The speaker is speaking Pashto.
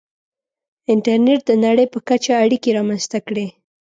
• انټرنېټ د نړۍ په کچه اړیکې رامنځته کړې.